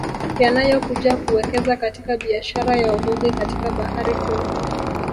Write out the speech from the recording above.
Yanayokuja kuwekeza katika biashara ya Uvuvi katika bahari kuu